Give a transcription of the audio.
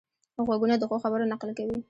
غوږونه د ښو خبرو نقل کوي